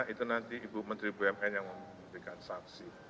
itu nanti ibu menteri bumn yang memberikan saksi